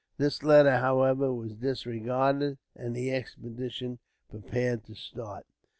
This letter, however, was disregarded, and the expedition prepared to start.